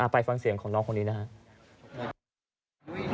ไปฟังเสียงของน้องคนนี้นะครับ